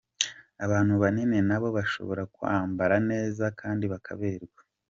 Abantu banini nabo bashobora kwambara neza kandi bakaberwa.